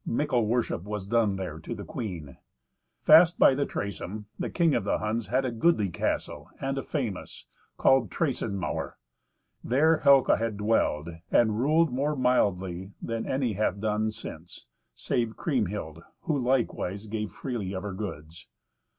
Mickle worship was done there to the queen. Fast by the Traisem the King of the Huns had a goodly castle and a famous, called Traisenmauer. There Helca had dwelled and ruled more mildly than any hath done since, save Kriemhild, who likewise gave freely of her goods.